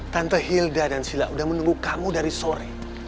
tante hilda dan sila sudah menunggu kamu dari sore